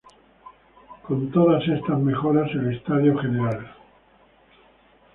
Con todas estas mejoras, el estadio Gral.